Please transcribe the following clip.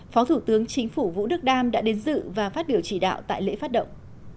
phó thủ tướng chính phủ vũ đức đam đã đến dự và phát biểu chỉ đạo tại lễ phát động